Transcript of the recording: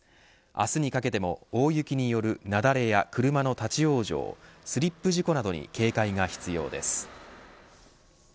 明日にかけても大雪による雪崩や車の立ち往生スリップ事故などに警戒が必要です。